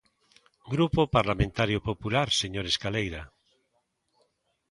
Grupo Parlamentario Popular, señor Escaleira.